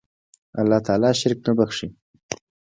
الله تعالی شرک نه بخښي